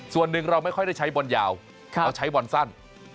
ส่วนหนึ่งเราไม่ค่อยได้ใช้บอลยาวเราใช้บอลสั้น